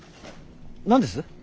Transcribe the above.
何です？